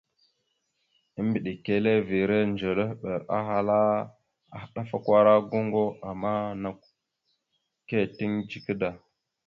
Embədekerrevere ndzelehɓer ahala mbelle: « Adafakwara goŋgo, ama nakw « keeteŋ dzika da. ».